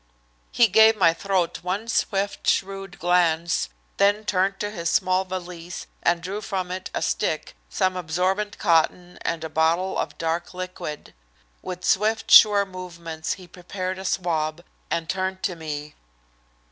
He gave my throat one swift, shrewd glance, then turned to his small valise and drew from it a stick, some absorbent cotton and a bottle of dark liquid. With swift, sure movements he prepared a swab, and turned to me.